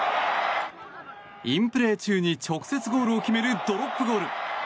インプレー中に直接ゴールを決めるドロップゴール。